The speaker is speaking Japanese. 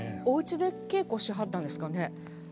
おうちで稽古しはったんですかね。